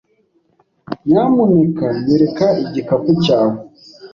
Nyamuneka nyereka igikapu cyawe.